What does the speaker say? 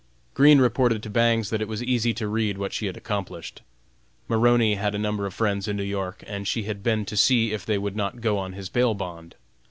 Green reported to Bangs that it was easy to read what she had accomplished. Maroney had a number of friends in New York, and she had been to see if they would not go on his bail bond.